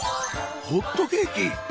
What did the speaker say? ホットケーキ？